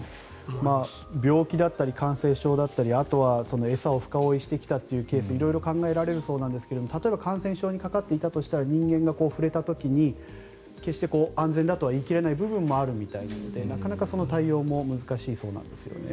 病気だったり感染症だったりあとは餌を深追いしてきたというケースだったり色々考えられるそうですが例えば感染症にかかっていたとしたら人間が触れた時に決して安全だと言い切れない部分があるそうなのでなかなかその対応が難しいそうなんですね。